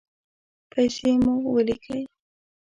پیسې مو ولیکئ